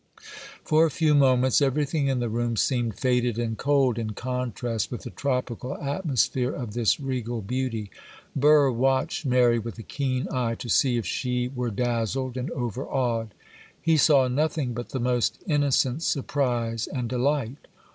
For a few moments, everything in the room seemed faded and cold, in contrast with the tropical atmosphere of this regal beauty. Burr watched Mary with a keen eye, to see if she were dazzled and overawed. He saw nothing but the most innocent surprise and delight.